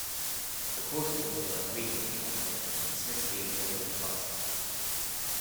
The Court of Appeal agreed with the plaintiff and dismissed the appeal with costs.